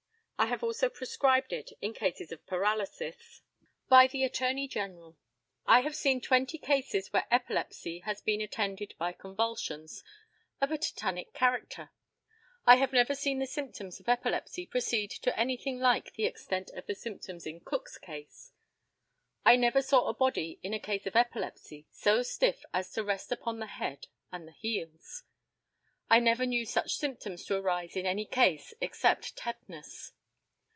I have also prescribed it in cases of paralysis. By the ATTORNEY GENERAL: I have seen twenty cases where epilepsy has been attended by convulsions of a tetanic character. I have never seen the symptoms of epilepsy proceed to anything like the extent of the symptoms in Cook's case. I never saw a body in a case of epilepsy so stiff as to rest upon the head and the heels. I never knew such symptoms to arise in any case except tetanus.